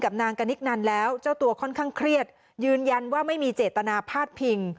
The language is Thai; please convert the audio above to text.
นางกนิกนันแล้วเจ้าตัวค่อนข้างเครียดยืนยันว่าไม่มีเจตนาพาดพิง